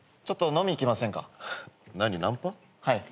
ちょっと飲み行きませんか？